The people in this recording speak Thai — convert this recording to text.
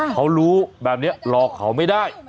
เขารู้แบบนี้หลอกเขาไม่ได้